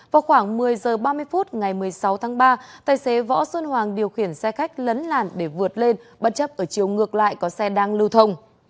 vào khoảng một mươi h ba mươi phút ngày một mươi sáu tháng ba tài xế võ xuân hoàng điều khiển xe khách lấn làn để vượt lên bất chấp ở chiều ngược lại có xe đang lưu thông